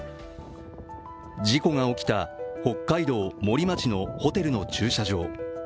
事故が起きた北海道森町のホテルの駐車場。